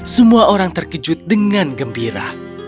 semua orang terkejut dengan gembira